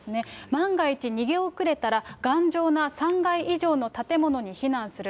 万が一、逃げ遅れたら、頑丈な３階以上の建物に避難する。